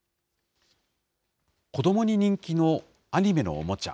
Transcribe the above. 子どもに人気のアニメのおもちゃ。